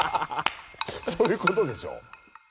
そういうことでしょ。